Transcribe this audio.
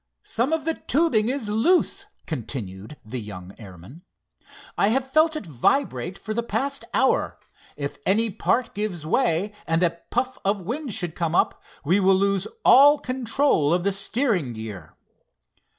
"Some of the tubing is loose," continued the young airman. "I have felt it vibrate for the past hour. If any part gives way, and a puff of wind should come up, we will lose all control of the steering gear."